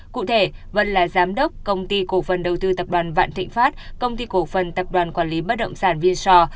cụ thể vân là giám đốc công ty cổ phần đầu tư tập đoàn vạn thịnh pháp công ty cổ phần tập đoàn quản lý bất động sản vir